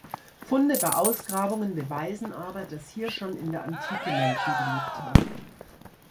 Funde bei Ausgrabungen beweisen aber, dass hier schon in der Antike Menschen gelebt haben.